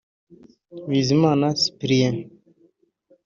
Bizimana Cyprien